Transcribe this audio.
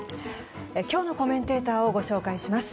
今日のコメンテーターをご紹介します。